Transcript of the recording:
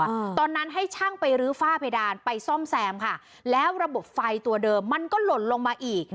ตอนนั้นให้ช่างไปรื้อฝ้าเพดานไปซ่อมแซมค่ะแล้วระบบไฟตัวเดิมมันก็หล่นลงมาอีก